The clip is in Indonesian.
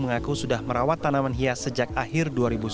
mengaku sudah merawat tanaman hias sejak akhir dua ribu sembilan belas